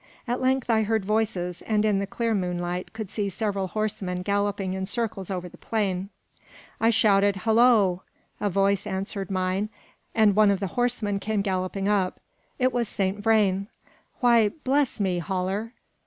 At length I heard voices; and, in the clear moonlight, could see several horsemen galloping in circles over the plain. I shouted "Hollo!" A voice answered mine, and one of the horsemen came galloping up; it was Saint Vrain. "Why, bless me, Haller!"